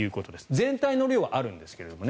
全体の量はあるんですけどもね。